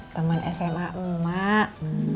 temen sma emak